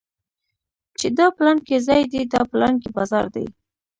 چې دا پلانکى ځاى دى دا پلانکى بازار دى.